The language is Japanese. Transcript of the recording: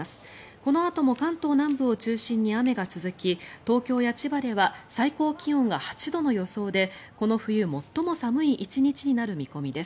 このあとも関東南部を中心に雨が続き東京や千葉では最高気温が８度の予想でこの冬最も寒い１日になる見込みです。